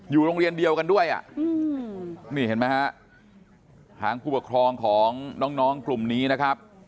โรงเรียนเดียวกันด้วยอ่ะนี่เห็นไหมฮะทางผู้ปกครองของน้องกลุ่มนี้นะครับ